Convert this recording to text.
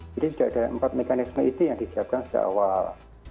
jadi sudah ada empat mekanisme itu yang disiapkan sejak awal